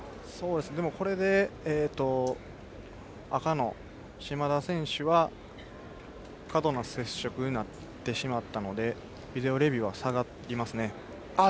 これで赤の嶋田選手は過度な接触になってしまったのでビデオレビューは下がりますね。